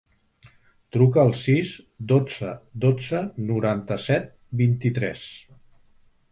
Truca al sis, dotze, dotze, noranta-set, vint-i-tres.